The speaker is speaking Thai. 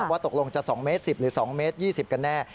ว่าตกลงจะ๒เมตร๑๐หรือ๒เมตร๒๐กันแน่